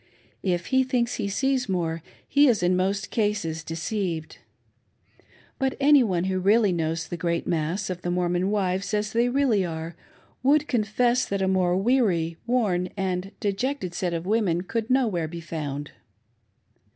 If he thinks he sees more, he is in most cases, deceived. But anyone who really knows the great mass of the Mormon wives as they really are, would con fess that a more weary, worn, and dejected set of women could nowhere be found.